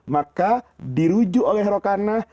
maka dirujuk oleh rokanah